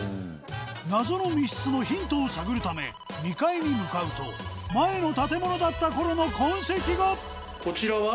謎の密室のヒントを探るため２階に向かうと前の建物だった頃の痕跡がこちらは？